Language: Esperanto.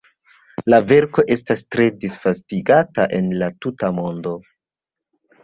La verko estas tre disvastigata en la tuta mondo.